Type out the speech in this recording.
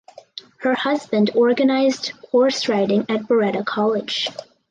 Her husband organised horse riding at Beretta College.